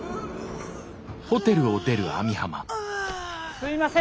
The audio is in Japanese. すいません